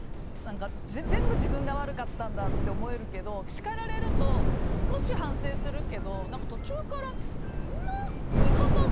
全部自分が悪かったんだって思えるけど叱られると少し反省するけど途中から、そんな言い方。